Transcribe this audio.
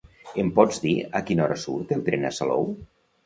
Em pots dir a quina hora surt el tren a Salou?